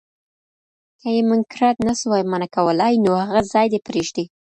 که یې منکرات نسوای منع کولای، نو هغه ځای دي پريږدي.